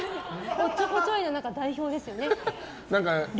おっちょこちょいの代表ですよね。